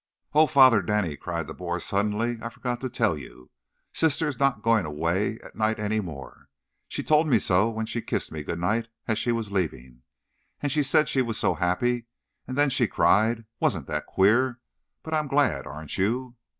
"Oh, Father Denny," cried the boy, suddenly, "I forgot to tell you! Sister is not going away at night any more! She told me so when she kissed me good night as she was leaving. And she said she was so happy, and then she cried. Wasn't that queer? But I'm glad; aren't you?"